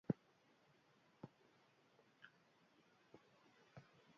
Niretzat artelan baten meritua ez dago eskulanean.